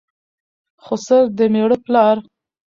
خسر دمېړه پلار